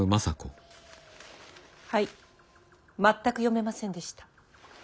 全く読めませんでした。